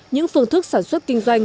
những phương thức sản xuất kinh doanh